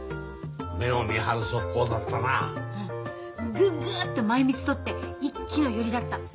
ググッと前褌取って一気の寄りだった。